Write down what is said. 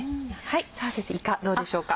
さぁ先生いかどうでしょうか？